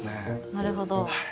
なるほど。